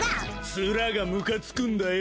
ツラがムカつくんだよ！